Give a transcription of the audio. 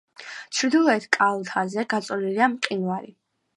ჩრდილოეთ კალთაზე გაწოლილია მყინვარი.